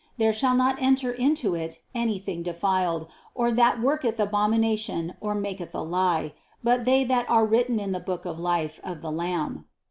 27. There shall not enter into it anything defiled, or that worketh abomination or maketh a lie, but they that are written in the book of life of the lamb."